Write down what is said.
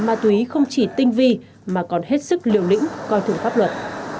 ma túy không chỉ tinh vi mà còn hết sức liều lĩnh coi thường pháp luật